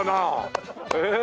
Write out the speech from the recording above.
ええ？